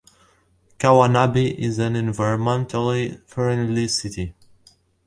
Kawanabe is an environmentally friendly city.